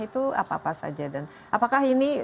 itu apa apa saja dan apakah ini